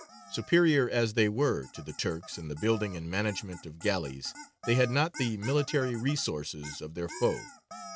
Superior as they were to the Turks in the building and management of galleys, they had not the military resources of their foe.